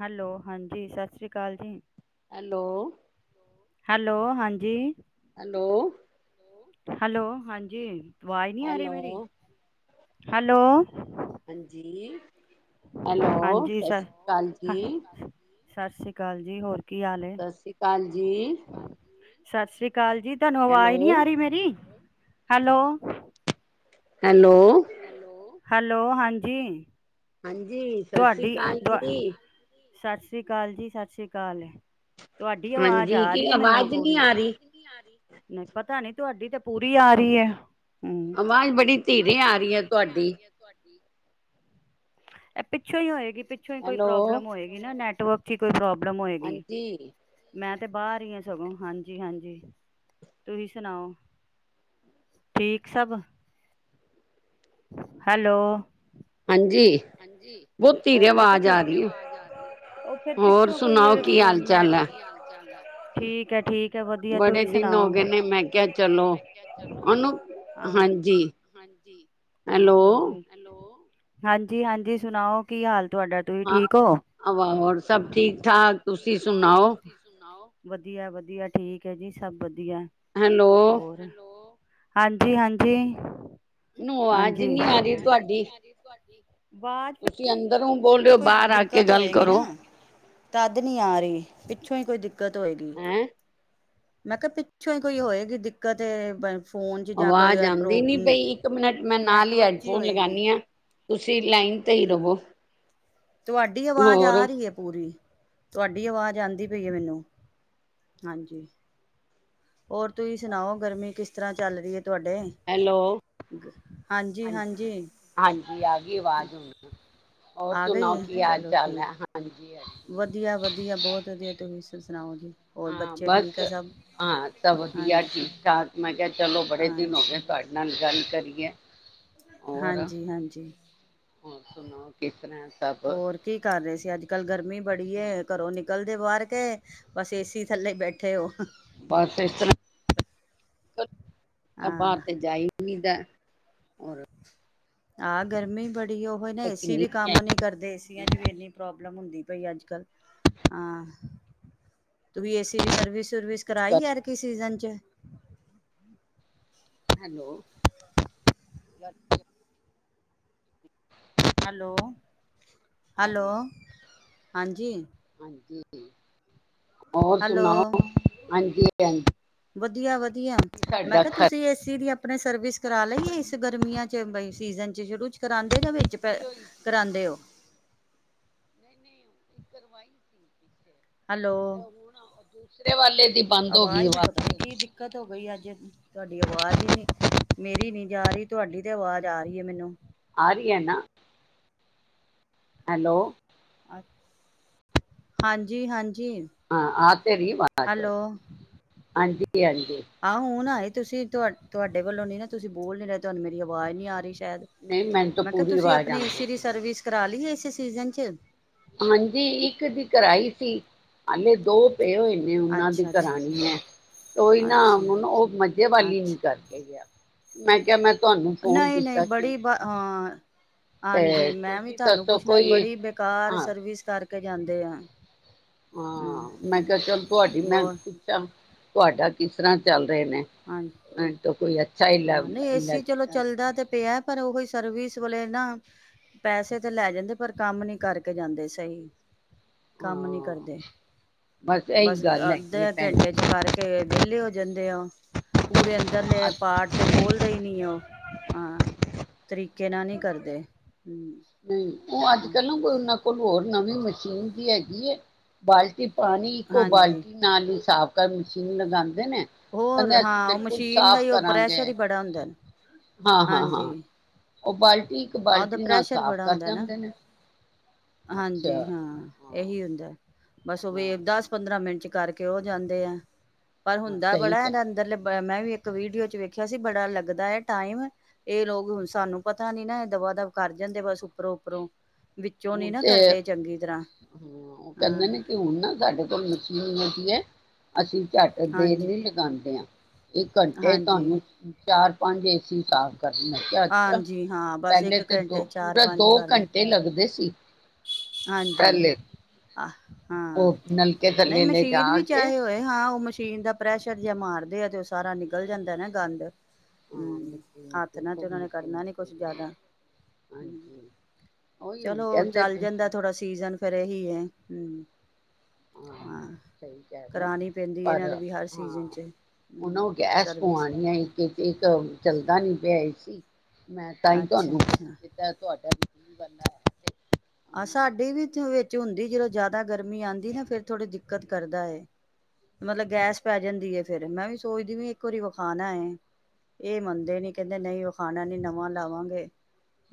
Hello, ਹਾਂਜੀ ਸਤਿ ਸ਼੍ਰੀ ਅਕਾਲ ਜੀ। ਹੈਲੋ ਹੈਲੋ, ਹਾਂਜੀ ਹੈਲੋ ਹੈਲੋ, ਹਾਂਜੀ ਆਵਾਜ਼ ਨਹੀਂ ਆ ਰਹੀ ਮੇਰੀ। ਹੈਲੋ ਹੈਲੋ ਹਾਂਜੀ ਹੈਲੋ, ਹਾਂਜੀ ਸਤਿ ਸ ਸ੍ਰੀ ਅਕਾਲ ਜੀ। ਸਤਿ ਸ਼੍ਰੀ ਅਕਾਲ ਜੀ, ਹੋਰ ਕੀ ਹਾਲ ਹੈ ਸਤਿ ਸ੍ਰੀ ਅਕਾਲ ਜੀ। ਸਤਿ ਸ੍ਰੀ ਅਕਾਲ ਜੀ। ਤੁਹਾਨੂੰ ਆਵਾਜ਼ ਨੀ ਹੈਲੋ ਆ ਰਹੀ ਮੇਰੀ ਹੈਲੋ, ਹੈਲੋ, ਹੈਲੋ, ਹਾਂਜੀ ਹਾਂਜੀ, ਸਤਿ ਸ੍ਰੀ ਤੁਹਾਡੀ ਅਕਾਲ ਤੁ ਜੀ। ਸਤਿ ਸ਼੍ਰੀ ਅਕਾਲ ਜੀ, ਸਤਿ ਸ਼੍ਰੀ ਅਕਾਲ। ਤੁਹਾਡੀ ਆਵਾਜ਼ ਹਾਂਜੀ ਆ ਕੀ ਰਹੀ ਹੈ ਮੈਨੂੰ ਆਵਾਜ਼ ਨਹੀਂ ਪੂਰੀ ਆ ਰਹੀ ਆਹੀ, ਨਹੀਂ ਪਤਾ ਨੀ ਤੁਹਾਡੀ ਤਾਂ ਪੂਰੀ ਆ ਰਹੀ ਹੈ। ਹਮ ਆਵਾਜ਼ ਬੜੀ ਧੀਰੇ ਆ ਰਹੀ ਹੈ ਤੁਹਾਡੀ ਇਹ ਪਿੱਛੋਂ ਹੀ ਹੋਏਗੀ। ਪਿੱਛੋਂ ਹੀ ਕੋਈ ਹੈਲੋ ਪ੍ਰੋਬਲਮ ਹੋਏਗੀ ਨਾ ਨੈਟ ਨੈਟਰਕ ਕੋਈ ਪ੍ਰੋਲਮ ਪ੍ਰਬਮ ਹੋਏਗੀ। ਹਾਂਜੀ ਮੈਂ ਤੇ ਬਾਹਰ ਹੀ ਆ ਸਗੋਂ, ਹਾਂਜੀ- ਹਾਂਜੀ। ਤੁਸੀ ਸੁਣਾਓ, ਠੀਕ ਸਭ। ਹੈਲੋ, ਹਾਂਜੀ ਹਾਂਜੀ, ਬਹੁਤ ਧੀਰੇ ਹੋਰ ਮੈਂ ਕਿਹਾ ਆਵਾਜ਼ ਠੀਕ ਆ ਧੀਰੇ ਰਹੀ ਹੈ ਆਵਾਜ ਆ ਰਹੀ। ਉਹ ਫੇਰ ਹੋਰ ਪਿੱਛੋਂ ਕੋਈ ਨ, ਸੁਣਾਓ ਕੀ ਹਾਲ ਚਾਲ ਹੈ ਹਾਲ- ਚਾਲ ਠੀਕ ਹੈ ਠੀਕ ਵਧੀ ਬੜੇ ਦਿਨ ਹੋ ਸੁਣਾਓਲ ਗਏ ਨੇ ਮੈਂ ਕਿਹਾ ਚਲੋ ਉਹਨੂੰ ਹਾਂਜੀ ਹੈਲੋ [unintelligible] ਹਾਂਜੀ। ਜੀ ਹਾਂਜੀ ਸੁਣਾਓ ਕੀ ਹਾਲ ਤੁਹਾਡਾ ਤੁਸੀਂ ਹਾਂ, ਠੀਕ ਹੋ ਆਵਾ ਹੋਰ ਸਭ ਠੀਕ -ਠਾਕ ਤੁਸੀਂ ਸੁਣਾਓ। ਵਧੀਆ -ਵਧੀਆ ਠੀਕ ਹੈ ਜੀ ਸਭ ਵਧੀਆ ਵਧੀਆ ਹੈਲੋ, ਹੋਰ ਹਾਂਜੀ -ਹਾਂਜੀ ਮੈਨੂੰ ਆਵਾਜ਼ ਹਾਂਜੀ, ਨੀ ਆ ਰਹੀ ਆਵਾਜ ਤੁਹਾਡੀ। ਨਹੀ ਅਆ ਰਹੀ ਤੁਹਾਡੀ ਤੁਸੀਂ ਅੰਦਰੋਂ ਹੋ ਬੋਲ ਰਹੇ ਕੋਈ ਬਾਹਰ ਆ ਕੇ ਦਿੱਕਤ ਗੱਲ ਹੋਏਗੀ ਕਰੋ। ਨਾ, ਤਦ ਨੀ ਆ ਰਹੀ ਉਛ ਹੀਈ ਦਿੱਤੀ ਦਿੱਕਤ ਹੋਏਗੀ। ਹੈਂ, ਮੈਂ ਕਿਹਾ ਪਿੱਛੋਂ ਹੀ ਕੋਈ ਹੋਏਗੀ ਦਿੱਕਤ ਫੋਨ ਚ ਜਾਂ ਕੋਈ ਆਵਾਜ਼ ਆਦੀ ਪ੍ਰੋ ਨੀ ਪਈ ਇੱਕ ਮਿੰਟ ਮੈਂ ਨਾਲ ਹੀ ਨੈਟਵਰਕ ਚ ਹੈਡਫੋਨ ਹੋਏਗੀ ਲਗਾਨੀ ਆ। ਤੁਸੀਂ ਲਾਈਨ ਤੇ ਹੀ ਰਵੋ। ਤੁਹਾਡੀ ਆਵਾਜ਼ ਹੋਰ ਆ ਰਹੀ ਹੈ ਪੂਰੀ, ਤੁਹਾਡੀ ਆਵਾਜ਼ ਆਦੀ ਪਈ ਹੈ ਮੈਨੂੰ ਹਾਂਜੀ। ਹੋਰ ਤੁਸੀਂ ਸੁਣਾਓ ਗਰਮੀ ਕਿਸ ਤਰ੍ਹਾਂ ਚੱਲ ਰਹੀ ਹੈ। ਤੁਹਾਡੇ ਹੈਲੋ ਹਾਂਜੀ ਹਾਂਜੀ ਆ ਗਈ ਅਵਾਜ਼ ਹੁਣ ਜੀ ਹੋਰ ਆ ਗਈ ਸੁਣਾਓ ਹੈ ਕੀ ਹਾਲ ਚਲੋ ਚਾਲ ਠੀਕ ਐ ਹਾਂਜੀ, ਹਾਂਜੀ। ਵਧੀਆ ਵਧੀਆ ਬਹੁਤ ਵਧੀਆ ਤੁਸੀ ਸ ਸੁਣਾਓਗੇ। ਹਾਂ ਬਸ ਹਾਂ ਤਾਂ ਵਧੀਆ ਹਾਂਜੀ ਠੀਕ ਠਾਕ ਮੈਂ ਕਿਹਾ ਚਲੋ ਬੜੇ ਦਿਨ ਹੋ ਹਾਂਜੀ ਗਏ ਤੁਹਾਡੇ ਨਾਲ ਗੱਲ ਕਰੀਏ। ਹੋਰ ਹਾਂਜੀ ਹਾਂਜੀ, ਹੋਰ ਸੁਣਓ ਕਿਸ ਤਰ੍ਹਾਂ ਐ ਹੋਰ ਕੀ ਕਰ ਰਹੇ ਸੀ, ਅੱਜ ਕੱਲ ਗਰਮੀ ਬੜੀ ਆ, ਘਰੋਂ ਨ ਕਲ ਦੇ ਬਾਹਰ ਕੇ ਬਸ ਏਸੀ ਥੱਲੇ ਬੈਠੇ ਉਹ ਬਸ ਇਸ ਤਰ ਹਾਂ ਬਾਹਰ, ਤੇ ਜਾਈ ਨਿਦਾ। ਹੋਰ ਹਾਂ ਗਰਮੀ ਬੜੀ ਉਹ ਨਾ ਏਸੀ ਕਿੰਨੀ ਵੀ ਕੰਮ ਨੀ ਕਰਦੇ, ਏਸੀਆਂ ਚ ਵੀ ਇੰਨੀ ਪ੍ਰੋਬਮ ਪ੍ਰੋਬਲਮ ਹੁੰਦੀ ਪਈ, ਅੱਜ ਕੱਲ ਹਾਂ ਤੂੰ ਵੀ ਏਸੀ ਦੀ ਸਰਵਿਸ ਸਵਿਸ ਕਰਵਾਈ, ਐਤਕੀ ਸੀਜ਼ਨੌ ਜੇ ਹੈਲੋ ਕੀ ਹੈਲੋ, ਆ ਹੈਲੋ ਗਿਆ ਹਾਂਜੀ, ਜੀ, ਹੈਲੋ ਹਾਂਜੀ ਵਧੀਆ ਵਧੀਆ, ਮੈਂ ਸਾਡਾ ਕਿਹਾ ਖਰਚੀ ਤੁਸੀਂ ਏਸੀ ਦੀ ਆਪਣੇ ਸਰਵਿਸ ਕਰਾ ਲਈ ਆ ਇਸ ਗਰਮੀਆਂ ਚ ਬ ਸੀਜ਼ਨ ਚ ਸ਼ੁਰੂ ਚ ਕਰਾਉਂਦੇ ਜਾਂ ਵਿੱਚ ਹੋਈ ਸੀ ਕਰਾਉਂਦੇ ਔ। ਨਹੀਂ ਨਹੀਂ ਕਰਵਾਈ ਸੀਗੀ। ਹੈਲੋ ਤੇ ਹੁਣ ਦੂਸਰੇ ਵਾਲੇ ਦੀ ਬੰਦ ਹੋ ਗਈ ਆਪੇ ਈ ਜਦ, ਤੁਹਾਡੀ ਆਵਾਜ਼ ਹੀ ਨੀ ਮੇਰੀ ਨੀ ਜਾ ਰਹੀ ਤੁਹਾਡੀ ਤੇ ਆਵਾਜ਼ ਆ ਰਹੀ ਹੈ ਮੈਨੂੰ, ਆ ਰਹੀ ਹੈ ਨਾ ਹੈਲੋ ਹਾਂਜੀ ਹਾਂ ਹਾਂ ਆ ਤੇ ਰਹੀ ਵਾਜ ਹਾਂਜੀ, ਹਾਂਜੀ ਆਹੋ, ਹੁਣ ਆਈ। ਤੁਸੀਂ ਤੁਹਾ ਤੁਹਾਡੇ ਵੱਲੋਂ ਨੀ ਨਾ ਤੁਸੀਂ ਬੋਲ ਨੀ ਰਹੇ, ਤੁਹਾਨੂੰ ਮੇਰੀ ਆਵਾਜ਼ ਨੀ ਆ ਰਹੀ। ਸ਼ਾਇਦ ਨਹੀਂ ਮੈਨੂੰ ਤਾਂ ਮੈਂ ਕਿਹਾ ਪੂਰੀ ਤੁਸੀਂ ਆਵਾਜ਼ ਆਪਣੇ ਆਉਂਦੀ ਏਸੀ ਦੀ ਪਈ ਹੈ ਸਰਵਿਸ ਕਰਾ ਲੀ ਏ ਸੀਜ਼ਨ ਚ ਹਾਂਜੀ, ਇੱਕ ਦੀ ਕਰਾਈ ਸੀ, ਹਾਲੇ ਦੋ [unintelligible] ਨੇ ਉਹਨਾਂ ਦੀ ਅੱਛਾ ਅੱਛਾ ਕਰਾਂਣੀ ਹੈ ਓਹੀ ਨਾ ਅੱਛਾ ਹੁਣ ਉਹ ਮਜ਼ੇ ਵਾਲੀ ਨੀ ਅੱਛਾ ਕਰਕੇ ਗਿਆ। ਮੈਂ ਕਿਹਾ, ਮੈਂ ਤ ਨਹੀਂ ਨਹੀਂ ਬੜੀ ਅ ਹਾਂਜੀ ਤੇ ਮੈਂ ਵੀ ਤੁਸੀਂ ਤੁਹਾਨੂੰ ਦੱਸੋ ਪੁੱਛਣਾ ਸੀ, ਕੋਈ ਬੜੀ ਬੇਕਾਰ ਹਾਂ ਸਰਵਿਸ ਕਰਕੇ ਤੇ ਜਾਂਦੇ ਆ ਹਾਂ। ਮੈਂ ਕਿਹਾ ਚਲ ਤੁਹਾਡੀ ਮੈਂ ਬਹੁਤ ਪੁੱਛਾਂ। ਤੁਹਾਡਾ ਕਿਸ ਤਰ੍ਹਾਂ ਚੱਲ ਰਹੇ ਨੇ, ਹਾਂਜੀ ਮੈਨੂੰ ਤੇ ਕੋਈ ਅੱਛਾ ਈ ਹਾਂ ਲਬ ਨਹੀਂ ਈ ਲ ਏਸੀ ਚਲੋ ਵ ਚੱਲਦਾ ਤੇ ਪਿਆ ਪਰ ਉਹੀ ਸਰਵਿਸ ਵਾਲੇ ਨਾ, ਪੈਸੇ ਤੇ ਲੈ ਜਾਂਦੇ ਪਰ ਕੰਮ ਨੀ ਕਰਕੇ ਜਾਂਦੇ ਸਹੀ। ਕੰਮ ਨੀ ਕਰਦੇ, ਇਹੀ ਬਸ ਗੱਲ ਹੈਗੀ ਹੈ ਅੱਧੇ ਭੈਣ ਘੰਟੇ ਚ ਜੀ। ਕਰਕੇ ਵਿਹਲੇ ਹੋ ਜਾਂਦੇ ਆ। ਪੂਰੇ ਅੰਦਰਲੇ ਅੱਛਾ ਪਾਰਟ ਤੇ ਖੋਲਦੇ ਹੀ ਨੀ ਉਹ। ਹਾਂ [inaudible] ਤਰੀਕੇ ਨਾਲ ਨਹੀਂ ਠੀਕ ਹੈ। ਕਰਦੇ, ਹਮ। ਨਹੀਂ ਉਹ ਅੱਜ ਕੱਲ੍ਹ ਨ ਕੋਈ ਉਹਨਾਂ ਕੋਲ ਹੋਰ ਨਵੀਂ ਮਸ਼ੀਨ ਵੀ ਹੈਗੀ। ਕੀ ਏ। ਬਾਲਟੀ ਪਾਣੀ, ਇੱਕੋ ਹਾਂਜੀ ਬਾਲਟੀ ਨਾਲ ਹੀ ਸਾਫ਼। ਕਲ ਮਸ਼ੀਨ ਲਗਾਨੀ। ਹੋਰ ਹਾਂ, ਉਹ ਮਸ਼ੀਨ ਦਾ ਹੀ ਉਹ ਕਰਾਂਗੇ ਪ੍ਰੈਸ਼ਰ ਹੀ ਬੜਾ ਹੁੰਦੈ। ਹਾਂ, ਹਾਂ, ਹਾਂ। ਉਹ ਬਾਲ ਉਹਦਾ ਪ੍ਰੈਸ਼ਰ ਬੜਾ ਹੁੰਦਾ ਨਾ। ਅੱਛਾ ਹਾਂਜੀ ਹਾਂ, ਇਹੀ ਹੁੰਦੈ। ਬੱਸ ਹਾਂ ਉਹਵੇ ਦਸ ਪੰਦਰਾਂ ਮਿੰਟ। ਤੇ ਕਰਕੇ ਉਹ ਜਾਂਦੇ ਐ। ਪਰ ਹਾਂ ਹੁੰਦਾ ਸਹੀ ਬੜਾ ਕਹਿ ਇਹਦਾ ਅੰਦਰਲ ਪ ਮੈਂ ਵੀ ਇੱਕ ਵੀਡੀਓ ਚ ਵੇਖਿਆ ਸੀ। ਬੜਾ ਲੱਗਦਾ ਹੈ ਟਾਈਮ ਇਹ ਲੋਕ ਹੁਨ ਸਾਨੂੰ ਪਤਾ ਨੀ ਨਾ ਦਵਾ ਦਵ ਕਰ ਜਾਂਦੇ ਬੱਸ ਉੱਪਰੋਂ ਉਪਰੋਂ। ਹੁਣ ਤੇ, ਹਾਂ ਉਹ ਹਾਂ ਕਹਿੰਦੇ ਨੇ ਕਿ ਹੁਣ ਨਾ ਸਾਡੇ ਕੋਲ ਮਸ਼ੀਨ ਕਿ ਹੈ, ਅਸੀਂ। ਝੱਟ ਦੇਰ ਹਾਂਜੀ ਨੀ ਲਗਾਂਦੇ ਆ। ਇਕ ਘੰਟੇ ਚ ਹਾਂਜੀ ਤੁਹਾਨੂੰ ਚਾਰ ਪੰਜ ਏਸੀ ਸਾਫ਼ ਕਰਨੇ, ਮੈਂ ਕਿਹਾ ਅੱਛਾ, ਹਾਂਜੀ ਹਾਂ ਬਸ ਪਹਿਲੇ ਇੱਕ ਤੇ ਦੋ ਘੰਟੇ ਚਾਰ ਪੂਰਾ ਦੋ ਪੰਜ ਕਰਦੇ ਘੰਟੇ ਲੱਗਦੇ ਸੀ। ਹਾਂਜੀ, ਪਹਿਲੇ ਅਹ ਹਾਂ ਉਹ ਨਲਕੇ ਨਹੀਂ ਥੱਲੇ ਲੈ ਜਾ ਮਸ਼ੀਨ ਵੀ ਕੇ ਚਾਹੇ ਹੋਏ ਹਾਂ ਉਹ ਮਸ਼ ਟੀਨ ਦਾ ਪ੍ਰੈਸ਼ਰ ਜੀਆ ਮਾਰਦੇ ਆ ਤੇ ਉਹ ਸਾਰਾ ਨਿਕਲ ਜਾਂਦੈ ਨਾ ਗੰਦ। ਹਾਂ ਹੂੰ, ਮਿੱਟੀ, ਹੱਥ ਮਿੱਟੀ ਨਾ ਤੇ ਖੂਬ ਉਹਨਾਂ ਨੇ ਮਿੱਟੀ ਕਰਨਾ ਨੀ ਨਿਕਲ ਕੁਛ ਗਈ। ਜ਼ਿਆਦਾ। ਹਾਂਜੀ ਓਹੀ ਹੁਣ ਕਹਿੰਦੇ ਪਏ ਸੀ। ਕਿ ਜ਼ਨ ਫਿਰ ਇਹੀ ਹੈ। ਹਮ। ਆਹੋ, ਸਹੀ ਕਹਿ ਰਹੇ ਹੋ। ਪੈਂਦੀ ਏ ਪਰ ਇਹਨਾਂ ਨੇ ਵੀ ਹਰ ਹਾਂ ਸੀਜ਼ਨ 'ਚ ਉਹਨਾਂ ਹੂੰ, ਨੂੰ ਗੈਸ ਸਰਵਿਸ ਪੁਆਣੀ ਹੈ। ਇੱਕ ਤੇ ਇੱਕ ਚੱਲਦਾ ਨੀ ਪਿਆ ਏ ਕੀ ਮੈਂ ਤਾਂਈ ਤੁਹਾਨੂੰ ਫੋਨ ਅੱਛਾ-ਅੱਛਾ। ਕੀਤੈ ਤੁਹਾਡਾ ਵੀ ਬੰਦਾ ਐ ਤੇ ਆਹ ਉਹਨੂੰ ਮੈਨੂੰ ਸਾਡੀ ਵਿੱਚੋ - ਦੱਸੋ ਵਿੱਚ ਕੀ ਹੋ ਹੁੰਦੀ ਜਦੋਂ ਗਿਆ ਜ਼ਿਆਦਾ ਗਰਮੀ ਆਂਦੀ ਹੈ ਫੇਰ ਥੋੜੀ ਦਿੱਕਤ ਕਰਦਾ ਏ, ਮਤਲਬ ਗੈਸ ਪੈ ਜਾਂਦੀ ਏ ਫੇਰ, ਮੈ ਵੀ ਸੋਚਦੀ ਬੀ ਇੱਕ ਵਾਰੀ ਵਖਾਣਾ ਏ। ਇਹ ਮੰਨਦੇ ਨੀ ਕਹਿੰਦੇ ਨਹੀਂ ਵਖਾਣਾ ਨੀ ਨਵਾਂ ਲਵਾਂਗੇ,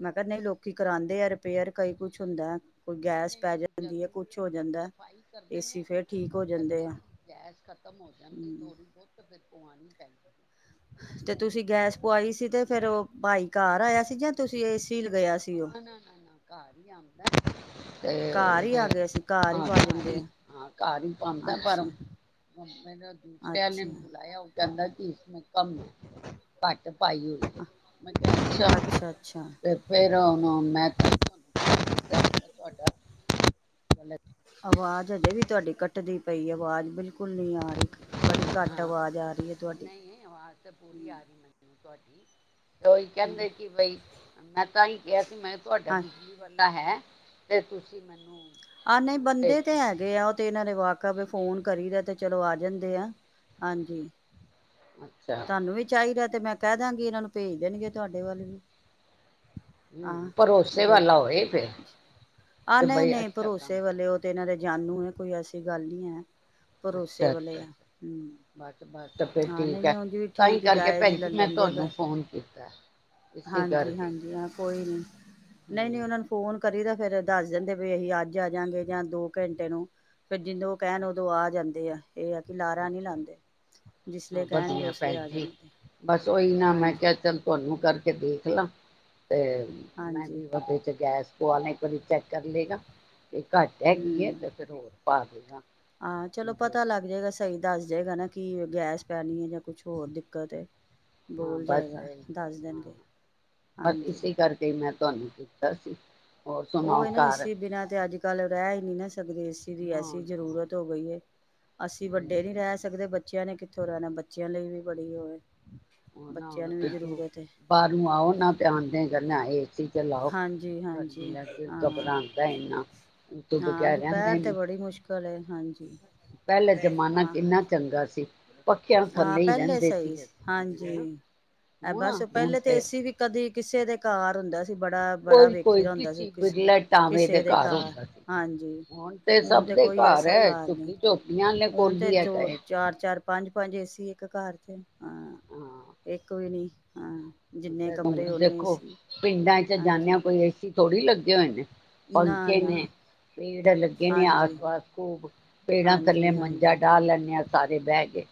ਮੈਂ ਕਿਹਾ ਨਹੀਂ, ਲੋਕੀ ਕਰਾਂਦੇ ਆ ਰਿਪੇਅਰ ਕਈ ਕੁਛ ਕੁੱਝ ਹੁੰਦੇ [unintelligible] ਨਹੀਂ - ਨਹੀਂ ਉਹ ਜਦ ਸਫ਼ਾਈ ਕਰਦੇ ਏਸੀ ਨੇ, ਫੇਰ ਠੀਕ ਹੋ ਉਹ ਜਾਂਦੇ ਕਹਿੰਦੇ ਆ ਕਿ ਗੈਸ ਖਤਮ ਹੋ ਜਾਂਦੀ ਹਮ ਥੋੜੀ ਬਹੁਤ ਤੇ ਫਿਰ ਪੁਆਣੀ ਪੈਂਦੀ ਤੇ ਪੂਰੀ ਤੁਸੀਂ ਗੈਸ ਪਵਾਈ ਸੀ ਤੇ ਫੇਰ ਉਹ ਪਾਈ ਘਰ ਆਇਆ ਸੀ ਜਾਂ ਤੁਸੀਂ ਏ ਸੀ ਉਹ ਨਾ ਨਾ ਨਾ ਨਾ ਘਰ ਹੀ ਆਉਂਦਾ ਤੇ ਘਰ ਹੀ ਉਹਦੇ ਆ ਗਿਆ ਸੀ ਹੀ ਹਾਂ ਪਾ ਘਰ ਜਾਂਦੇ ਹੀ ਆ ਹਾਂ ਘਰ ਹੀ ਪਾਉਂਦਾ, ਪਰ ਅੱਛਾ ਹੁਣ ਦੂਸਰਿਆਂ ਨੇ ਅੱਛਾ ਬੁਲਾਇਆ ਕਹਿੰਦਾ ਕਿ ਇਸ ਮੇ ਕਮ ਏ, ਘੱਟ ਪਾਈ ਹੋਈ ਏ, ਮੈ ਕਿਹਾ ਅੱਛਾ ਤੇ ਫੇਰ ਮੈ ਤੇ ਤੁਹਾਨੂ [inaudible] ਤੁਹਾਡਾ [inaudible] ਚੱਲ [unintelligible] ਆਵਾਜ ਹਜੇ ਵੀ ਤੁਹਾਡੀ ਕੱਟਦੀ ਪਈ ਏ, ਆਵਾਜ ਬਿਲਕੁੱ ਹੁਨ ਨਹੀ ਆ ਰਹੀ। ਬੜੀ ਘੱਟ ਹਾਂ ਆਵਾਜ ਆ ਰਹੀ ਐ ਤੁਹਾਡੀ, ਨਹੀਂ ਆਵਾਜ਼ ਤਾਂ ਪੂਰੀ ਹਮ ਆ ਰਹੀ ਮੈਨੂੰ ਤੁਹਾਡੀ ਤੇ ਉਹੀ ਕਹਿੰਦੇ ਕਿ ਬਈ, ਮੈਂ ਤਾਂ ਹੀ ਕਿਹਾ ਸੀ ਮੈਂ ਤੁਹਾਡਾ ਹਾਂ ਬਿਜਲੀ ਵਾਲਾ ਤਾਂ ਹੈ, ਤੇ ਤੁਸੀਂ ਮੈਨੂੰ ਆਹ ਨਹੀਂ ਅਹ, ਭੇਜ ਬੰਦੇ ਤੇ ਦਿਓ ਹੈਗੇ ਆ, ਉਹ ਤੇ ਇਹਨਾਂ ਦੇ ਵਾਕ ਕਵੇ ਫੋਨ ਕਰੀ ਦਾ ਤੇ ਚਲੋ ਆ ਜਾਂਦੇ ਆ, ਹਾਂਜੀ। ਅੱਛਾ ਤਾਨੂ ਵੀ ਚਾਹੀਦਾ ਤੇ ਮੈਂ ਕਹਿਦਾਂਗੀ ਇਨ੍ਹਾਂ ਨੂੰ, ਭੇਜ ਦੇਣਗੇ ਤੁਹਾਡੇ ਵੱਲ ਵੀ। ਹਮ, ਆਂ ਭਰੋਸੇ ਜੇ, ਵਾਲਾ ਹੋਏ ਫਿਰ ਆਹ ਤੇ ਨਹੀਂ ਬਈ ਨਹੀਂ ਅੱਛਾ ਕੰਮ ਭਰੋਸੇ ਵਾਲੇ ਉਹ ਤੇ ਕਰਦਾ ਇਨ੍ਹਾਂ ਦੇ ਜਾਨੂ ਏ। ਕੋਈ ਐਸੀ ਗੱਲ ਨਹੀਂ ਹੈ। ਭਰੋਸੇ ਅੱਛਾ ਅੱਛਾ ਵਾਲੇ ਆ ਅੱਛਾ, ਹੂੰ ਬਸ ਬਸ ਫਿਰ ਹਾਂ ਨਹੀਂ ਠੀਕ ਐ। ਨਹੀਂ ਉਂਝ ਵੀ ਠੀਕ ਜਾਇਜ਼ ਲੈ ਲੈਂਦੇ ਵੈ। ਕੀਤਾ ਇਸੇ ਹਾਂਜੀ ਕਰਕੇ ਹਾਂਜੀ ਹਾਂ ਕੋਈ ਨੀ, ਨਹੀਂ ਨਹੀਂ ਹਮ, ਉਨ੍ਹਾਂ ਨੂੰ ਫੋਨ ਕਰ ਤਾਂ ਫੇਰ ਦੱਸ ਜਾਦੇ ਵੀ ਅਸੀਂ ਅੱਜ ਆ ਜਾਂਗੇ ਜਾਂ ਦੋ ਘੰਟੇ ਨੂੰ। ਫੇਰ ਜਿੰਦੋਂ ਉਹ ਕਹਿਣ ਅੱਛਾ ਉਦੋਂ ਆ ਜਾਂਦੇ ਆ। ਇਹ ਆ ਕਿ ਲਾਰਾ ਨੀ ਅੱਛਾ ਲਾਂਦੇ। ਜਿਸ ਲੇ ਕਹਿਣਗੇ ਉਸ ਭੈਂਜੀ, ਬਸ ਉਹੀ ਨਾ ਮੈਂ ਕਿਹਾ ਚੱਲ ਤੁਹਾਨੂੰ ਕਰਕੇ ਦੇਖ ਲਾਂ। ਤੇ ਮੈਂ ਹਾਂਜੀ ਵੀ ਵੱਡੇ ਚ ਗੈਸ ਉਵਾਲਣੇਂ ਕ ਚੈੱਕ ਕਰ ਲੇਗਾ ਤੇ ਘੱਟ ਹੈਗੀ ਐ ਹੂੰ ਤੇ ਫੇਰ ਹੋਰ ਪਾ ਦੇਗਾ। ਹਾਂ ਚਲੋ ਪਤਾ ਲੱਗ ਜਾਏਗਾ ਸਹੀ ਦੱਸ ਜੇਗਾ ਨਾ, ਕਿ ਗੈਸ ਪੈਣੀ ਐ, ਜਾਂ ਕੁਛ ਹੋਰ ਦਿੱਕਤ ਐ। ਹਾਂ ਬਸ ਇਹ ਈ। ਹਾਂ, ਦੇਣਗੇ ਬਸ ਹਾਂਜੀ ਇਸੇ ਕਰਕੇ ਮੈਂ ਤੁਹਾਨੂੰ ਕੀਤਾ ਸੀ। ਹੋਰ ਉਹ ਸੁਣਾਓ ਏ ਨਾ ਏ ਘਰ ਸੀ ਬਿਨਾ ਤੇ ਅੱਜ ਕੱਲ ਰਹਿ ਈ ਨੀ ਨਾ ਸਕਦੇ। ਏ ਸੀ ਦੀ ਨਾ ਐਸੀ ਜ਼ਰੂਰਤ ਹੋ ਨਾ ਗਈ ਏ। ਅਸੀਂ ਵੱਡੇ ਨੀ ਰਹਿ ਸਕਦੇ ਬੱਚਿਆਂ ਨੇ ਕਿ ਥੇ ਰਹਿਣਾ ਏ ਬਚ ਉਹ ਨਾ ਬੱਚਿਆਂ ਹੁਣ ਨੂੰ ਵੀ ਕਿੱਧਰੋਂ, ਜ਼ਰੂਰਤ ਹੈ ਬਾਹਰੋਂ ਆਓ ਨਾ ਤੇ ਆਂਦਿਆ ਈ ਕਰਨਾ ਆ, ਏ ਸੀ ਚਲਾਓ ਹਾਂਜੀ ਗਰਮੀ ਹਾਂਜੀ ਲੱਗ ਦਿਲ ਹਾਂ ਘਬਰਾਂਦਾ ਇੰਨਾ, ਊਹ ਤੋਂ ਹਾਂ ਬਗੈਰ ਰਹਿੰਦਾ ਈ ਦੁਪਹਿਰ ਤਾਂ ਨੀ। ਬੜੀ ਮੁਸ਼ਕਿਲ ਹੈ ਹਾਂਜੀ ਪਹਿਲੇ ਜ਼ਮਾਨਾ ਹਾਂ ਕਿੰਨਾ ਚੰਗਾ ਸੀ ਪੱਖਿਆਂ ਹਾਂ ਥੱਲੇ ਹੀ ਪਹਿਲੇ ਰਹਿੰਦੇ ਸਹੀ ਸੀ। ਅਸੀਂ ਹਨਾ ਹਾਂਜੀ, ਐਹ ਹੁਣ ਬਸ ਹੁਣ ਪਹਿਲੇ ਤੇ ਏ ਸੀ ਵੀ ਕਦੀ ਕਿਸੇ ਦੇ ਘਰ ਹੁੰਦਾ ਸ ਕਿ ਬੜਾ ਬੜਾ ਵੇਖੀ ਦਾ ਹੁੰਦਾ ਸੀ ਕਿਸ ਵਿਰਲੇ ਟਾਂਵੇ ਦੇ ਘਰ ਹੁੰਦਾ ਸੀ। ਹੁਣ ਤੇ ਸਭ ਦੇ ਘਰ ਐ, ਝੁੱਗੀ ਝੋਪੜੀਆਂ ਆਲਿਆਂ ਕੋਲ ਵੀ ਹੈਗਾ ਐ ਪੰਜ-ਪੰਜ ਏਸੀ ਇੱਕ ਘਰ ਚ ਹਾਂ, ਇੱਕ ਵੀ ਨੀ ਦੇਖੋ ਪਿੰਡਾਂ ਚ ਜਾਂਨੇ ਆ, ਹਾਂਜੀ ਕੋਈ ਏਸੀ ਥੋੜੀ ਲੱਗ ਤੇ ਹੋਏ ਨੇ ਨਾ ਪੰਖੇ ਨੇ, ਨਾ ਪੇੜ ਲੱਗੇ ਨੇ, ਆਸ ਹਾਂਜੀ ਪਾਸ ਖੂਬ। ਪੇੜਾਂ ਥੱਲੇ ਹਾਂਜੀ ਮੰਜਾ ਹਾਂਜੀ ਡਾ ਲੈਂਨੇ ਹਾਂ ਸਾਰੇ ਬਹਿ ਹੈਗੇ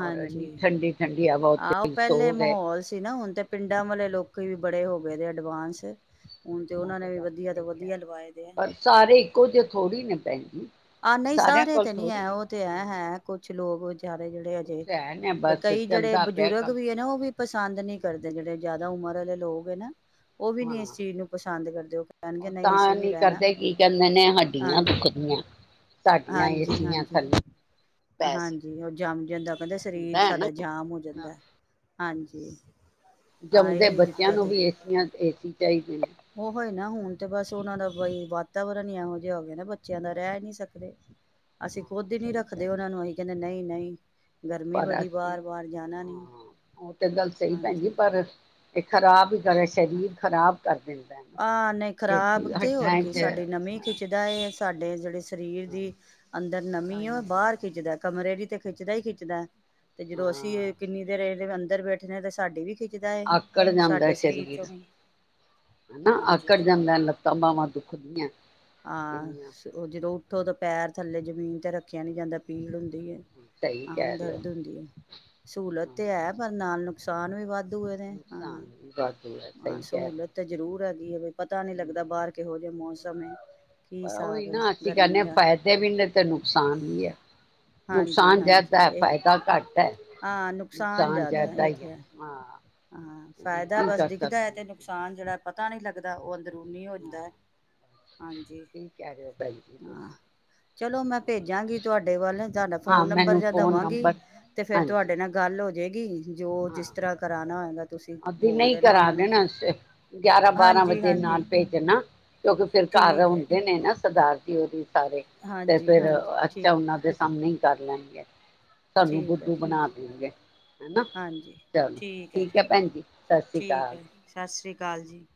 ਔਰ ਇੰਨੀ ਠੰਡੀ ਠੰਡੀ ਹਵਾ, ਆਹ ਉਹ ਉੱਥੇ ਪਹਿਲੇ ਸੋ ਗਏ। ਮਾਹੌਲ ਸੀ ਨਾ ਹੁਣ ਤੇ ਪਿੰਡਾਂ ਵਾਲੇ ਲੋਕੀ ਵੀ ਬੜੇ ਹੋ ਗਏ ਦੇ, ਅਡਵਾਂਸ ਉਹ ਤੇ ਗੱਲ ਸਹੀ ਐ, ਆ ਪਰ ਸਾਰੇ ਇੱਕੋ ਜੇ ਥੋੜ੍ਹੀ ਨੇ ਭੈਂਜੀ ਆਹ ਨਹੀਂ ਸਾਰੇ ਤੇ ਨੀ ਹੈ ਉਹ ਤੇ ਐ ਹੈ ਕੁਛ ਲੋਕ ਵਿਚਾਰੇ ਜਿਹੜੇ ਅਜੇ ਕੁਛ ਹੈ ਨੇ ਬਸ ਕਈ ਜਿਹੜੇ ਚੱਲਦਾ ਪਿਆ ਬਜ਼ੁਰਗ ਕੰਮ ਵੀ ਹੈ ਨਾ ਉਹ ਵੀ ਪਸੰਦ ਨਹੀਂ ਕਰਦੇ ਜਿਹੜੇ ਜ਼ਿਆਦਾ। ਉਮਰ ਵਾਲੇ ਲੋਕ ਹੈ ਨਾ ਉਹ ਵੀ ਨੀ ਇਸ ਹਾਂ ਚੀਜ਼ ਨੂੰ ਪਸੰਦ ਕਰਦੇ ਉਹ ਕਹਿਣਗੇ ਨਹੀਂ ਤਾਂ ਅਸੀਂ ਨੀ ਰਹਿਣਾ ਕਰਦੇ ਕੀ ਕਹਿੰਦੇ ਨੇ ਹੱਡੀਆਂ ਹਾਂਜੀ ਦੁਖਦੀਆਂ ਸਾਡੀਆਂ ਏਸੀਆਂ ਥੱਲੇ ਪੈਸੇ ਹਾਂਜੀ-ਹਾਂਜੀ-ਹਾਂਜੀ ਉਹ ਜੰਮ ਜਾਂਦਾ ਕਹਿੰਦਾ ਸਰੀਰ ਹੁੰਦਾ ਹੈ ਸਾਡਾ ਜਾਮ ਹੋ ਨਾ ਜਾਂਦਾ ਹਾਂਜੀ ਅਤੇ ਜੰਮਦੇ ਬੱਚਿਆਂ ਨੂੰ ਵੀ ਏਸੀ ਤੇ ਚਾਹੀਦੇ ਉਹ ਹੀ ਨਾ ਹੁਣ ਤੇ ਬਸ ਉਹਨਾਂ ਦਾ ਬਈ ਵਾਤਾਵਰਨ ਹੀ ਇਹੋ ਜਿਹਾ ਹੋ ਗਿਆ ਨਾ ਬੱਚਿਆਂ ਦਾ ਰਹਿ ਨਹੀਂ ਸਕਦੇ ਅਸੀਂ ਹਾਂ ਖੁੱਦ ਹੀ ਨਹੀਂ ਸਹੀ ਰੱਖਦੇ ਗੱਲ ਉਹਨਾਂ ਨੂੰ ਅਸੀਂ ਕਹਿੰਦੇ ਨਹੀਂ ਨਹੀਂ ਗਰਮੀ ਪਰ ਬੜੀ ਅਸੀਂ ਬਾਹਰ ਬਾਹਰ ਜਾਣਾ ਨਹੀਂ ਹਾਂ ਉਹ ਤੇ ਗੱਲ ਸਹੀ ਭੈਣਜੀ ਹਾਂਜੀ ਪਰ ਇਹ ਖ਼ਰਾਬ ਹੀ [unintelligible] ਕਰੇ ਸਰੀਰ ਖ਼ਰਾਬ ਕਰ ਦਿੰਦਾ ਨਾ। ਆਹ ਨਹੀਂ ਖ਼ਰਾਬ ਤੇ ਹੱਡਾਂ ਹੋਰ 'ਚ ਕੀ ਹਾਂ ਸਾਡੀ ਨਮੀ ਖਿੱਚਦਾ ਏ। ਸਾਡੇ [unintelligible] ਸਰੀਰ ਦੀ ਅੰਦਰ ਤਾਂ ਨਮੀ ਹੀ ਓ ਹੈ ਬਾਹਰ ਖਿੱਚਦਾ ਕਮਰੇ ਦੀ ਤੇ ਖਿੱਚਦਾ ਹੀ ਖਿੱਚਦਾ। ਤੇ ਜਦੋਂ ਅਸੀਂ ਹਾਂ ਕਿੰਨੀ ਦੇਰ ਇ [unintelligible] ਬੈਠਨੇਆ ਤੇ ਸਾਡੀ ਵੀ ਖਿੱਚਦਾ ਹੈ ਆਕੜ ਜਾਂਦਾ ਏ ਸਾਡੇ ਸਰੀਰ ਚੋਂ ਵੀ ਆ ਅ ਹਾਂਜੀ ਆਕੜ ਜਾਂਦਾ ਲੱਤਾਂ ਬਾਵਾ ਤੋਂ ਹ [inaudible] ਹਾਂ ਉਹ ਜਦੋਂ ਉੱਠੋ ਤਾਂ ਪੈਰ ਥੱਲੇ ਜ਼ਮੀਨ ਤਾਂ ਰੱਖਿਆ ਨੀ ਜਾਂਦਾ ਪੀੜ ਹੁੰ ਪੀੜ ਸਹੀ ਹਾਂ ਕਹਿ ਰਹੇ ਹੋ ਦਰਦ ਹੁੰਦੀ ਹੈ ਸਹੂਲਤ ਹਾਂ ਤੇ ਹੈ ਪਰ ਨਾਲ ਨੁਕਸਾਨ ਵੀ ਵੱਧ [unintelligible] ਹਾਂ ਨੁਕਸਾਨ ਵੀ ਵਾਧੂ ਹੈ ਹਾਂ ਸਹੀ ਕਹਿ ਰਹੇ ਹੋ ਸਹੂਲਤ ਤੇ ਜ਼ਰੂਰ ਹੈਗੀ ਹੈ ਪਤਾ ਨੀ ਲੱਗਦਾ ਬਾਹਰ ਕਿਹੋ ਜਿਹੇ ਮੌਸਮ? ਜਮੇ [inaudible] ਉਹੀ ਨਾ ਅਸੀਂ ਕਹਿੰਦੇ ਹ ਫਾਇਦੇ ਵੀ ਨੇ ਤੇ ਨੁਕਸਾਨ ਵੀ ਹੈ, ਹਾਂਜੀ ਨੁਕਸਾਨ ਹਾਂਜੀ ਜ਼ਿਆਦਾ ਹੈ ਇਹ ਫਾਇਦਾ ਘੱਟ ਹੈ ਨੁਕਸਾਨ ਜ਼ਿਆਦਾ ਹੀ ਹੈ। ਹਾਂ ਹਾਂ ਕੀ ਫਾਇਦਾ ਬਸ ਕਰ ਦਿਖਦਾ ਹੈ ਸਕਦੇ ਹਾਂ ਤੇ ਅਸੀਂ, ਨੁਕਸਾਨ ਜਿਹੜਾ ਪਤਾ ਨੀ ਲੱਗਦਾ ਉਹ। ੂ ਹਾਂ [unintelligible] ਹਾਂਜੀ ਠੀਕ ਕਹਿ ਰਹੇ ਹੋ ਭੈਣ ਜੀ ਹਾਂ ਤੁਸੀਂ ਚਲੋ ਮੈਂ ਭੇਜਾਂਗੀ ਤੁਹਾਡੇ ਵੱਲ ਤੁਡਾ ਹਾਂ ਫੋਨ ਨੰਬਰ ਮੈਨੂੰ ਜਾਂ ਫੋਨ ਦਵਾਂਗੀ ਨੰਬਰ ਤੇ ਫਿਰ ਹਾਂਜੀ ਤੁਹਾਡੇ ਨਾਲ ਗੱਲ ਹੋ [inaudible] ਜੋ ਜਿਸ ਤਰ੍ਹਾਂ ਕਰਾਉਣਾ ਹੋਏਗਾ ਤੁਸੀਂ ਅਭੀ ਬੋਲ ਨਹੀ ਕਰਾ ਉਹਨਾਂ ਨੂੰ ਦੇਣਾ ਗਿਆਰਾਂ ਬਾਰਾਂ ਹਾਂਜੀ ਵਜੇ ਨਾਲ ਹਾਂਜੀ ਭੇਜਣਾ ਕਿਉਂਕਿ ਫਿਰ ਘਰ ਠੀਕ ਹੈ ਹੁੰਦੇ ਜੀ ਨੇ ਨਾ ਸਰਦਾਰ ਜੀ। ਸਾਰੇ ਤੇ ਹਾਂਜੀ ਫਿਰ ਹਾਂਜੀ ਅੱਛਾ ਠੀਕ ਉਹਨਾਂ ਦੇ ਹੈ ਸਾਹਮਣੇ ਹੀ ਕਰ ਲੈਣਗੇ। ਸਾਨੂੰ ਠੀਕ ਹੈ ਬੁਧੂ ਠੀਕ ਬਣਾ ਹੈ। ਦੇਣਗੇ ਹਨਾ। ਚਲੋ ਠੀਕ ਹੈ ਜੀ ਭੈਣ ਸਤਿ ਸ਼੍ਰੀ ਠੀਕ ਅਕਾਲ ਹੈ ਸਤਿ ਸ੍ਰੀ ਅਕਾਲ ਜੀ।